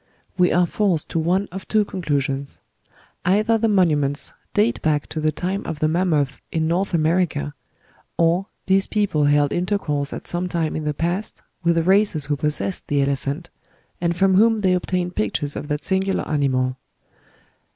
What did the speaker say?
We are forced to one of two conclusions: either the monuments date back to the time of the mammoth in North America, or these people held intercourse at some time in the past with races who possessed the elephant, and from whom they obtained pictures of that singular animal.